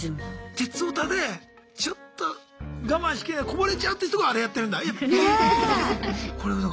鉄オタでちょっと我慢しきれないこぼれちゃうって人があれやってるんだ。